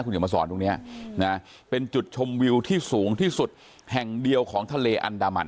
เดี๋ยวมาสอนตรงนี้นะเป็นจุดชมวิวที่สูงที่สุดแห่งเดียวของทะเลอันดามัน